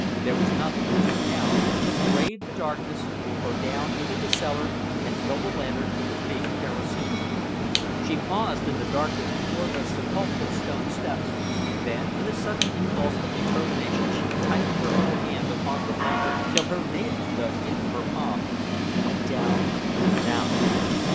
There was nothing to do now but brave the darkness or go down into the cellar and fill the lantern from the big kerosene can. She paused in the darkness before those sepulchral stone steps, then in a sudden impulse of determination she tightened her little hand upon the lantern till her nails dug into her palms and went down, down.